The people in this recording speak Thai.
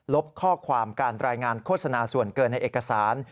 ข้อความการรายงานโฆษณาส่วนเกินในเอกสาร